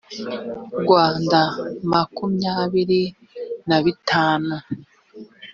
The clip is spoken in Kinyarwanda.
rwanda makumyabiri na bitanu